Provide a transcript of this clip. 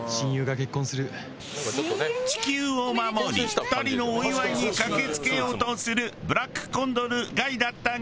地球を守り２人のお祝いに駆けつけようとするブラックコンドル凱だったが。